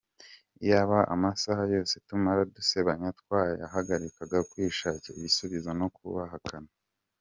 Iyaba amasaha yose tumara dusebanya twayahariraga kwishakamo ibisubizo no kubakana!